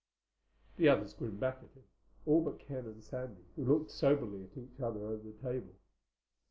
The others grinned back at him, all but Ken and Sandy who looked soberly at each other over the table.